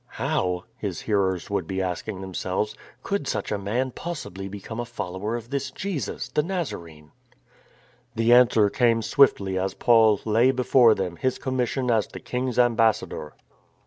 " How," his hearers would be asking themselves, " could such a man possibly become a follower of this Jesus, the Nazarene ?" The answer came swiftly as Paul lay before them his commission as the King's ambassador.